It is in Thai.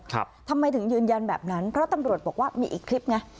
ทำไมถึงยืนยันแบบนั้นเพราะตำรวจบอกว่ามีอีกคลิปไง